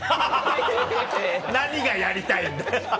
何がやりたいんだ。